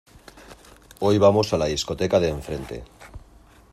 Hoy vamos a la discoteca de enfrente.